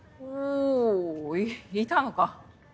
おいいたのか。